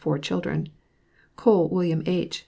four children. COLE WM. H.